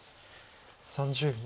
３０秒。